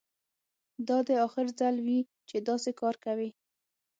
دا دې اخر ځل وي چې داسې کار کوې